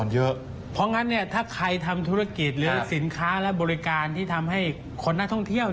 เพราะงั้นเนี่ยถ้าใครทำธุรกิจหรือสินค้าและบริการที่ทำให้คนนักท่องเที่ยว